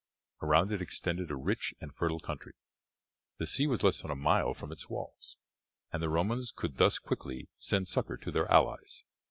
Around it extended a rich and fertile country, the sea was less than a mile from its walls, and the Romans could thus quickly send succour to their allies.